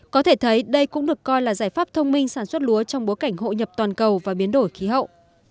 có thể thấy đây cũng được coi là giải pháp thông minh sản xuất lúa trong bối cảnh hội nhập toàn cầu và biến đổi khí hậu